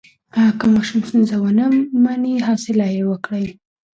که ماشوم ستونزه ونه مني، حوصله یې وکړئ.